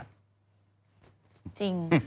จริง